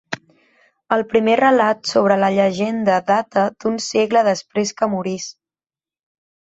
El primer relat sobre la llegenda data d'un segle després que morís.